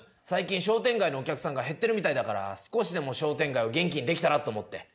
最近商店街のお客さんが減ってるみたいだから少しでも商店街を元気にできたらと思って。